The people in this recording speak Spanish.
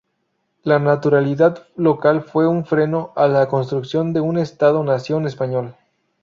La "naturalidad" local fue un freno a la construcción de un Estado-nación español.